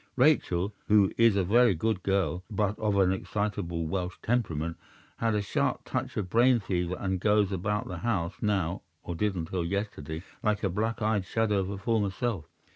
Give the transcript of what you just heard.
Rachel—who is a very good girl, but of an excitable Welsh temperament—had a sharp touch of brain fever, and goes about the house now—or did until yesterday—like a black eyed shadow of her former self.